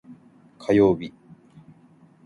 火曜日